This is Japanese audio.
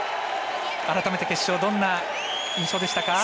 改めて、決勝はどんな印象でしたか。